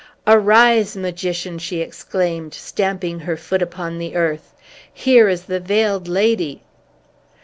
"Arise, Magician!" she exclaimed, stamping her foot upon the earth. "Here is the Veiled Lady!"